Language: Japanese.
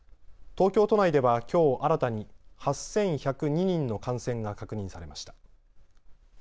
東京都内ではきょう新たに８１０２人の感染が確認されました。